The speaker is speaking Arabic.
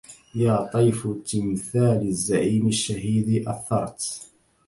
يا طيف تمثال الزعيم الشهيد أثرت